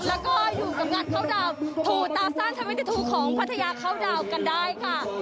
แล้วก็อยู่กับงานเข้าดาวถูตาสร้างเทวิตธรรมดินตรูของพัทยาเข้าดาวกันได้ก็